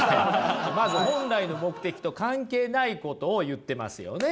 まず本来の目的と関係ないことを言ってますよね？